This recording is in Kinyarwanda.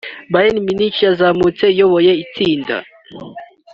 Bayern Munich yazamutse iyoboye itsinda